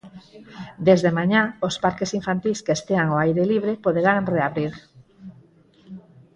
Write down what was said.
Desde mañá os parques infantís que estean ao aire libre poderán reabrir.